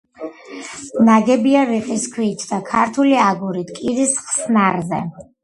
ნაგებია რიყის ქვით და ქართული აგურით კირის ხსნარზე.